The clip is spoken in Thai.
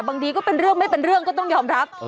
บางทีก็เป็นเรื่องไม่เป็นเรื่องก็ต้องยอมรับ